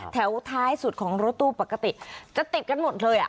ท้ายสุดของรถตู้ปกติจะติดกันหมดเลย